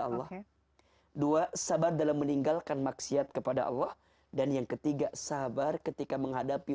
allah dua sabar dalam meninggalkan maksiat kepada allah dan yang ketiga sabar ketika menghadapi